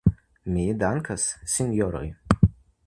Mi dankas, sinjoroj.